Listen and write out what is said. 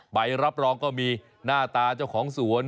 ใบรับรองก็มีหน้าตาเจ้าของสวน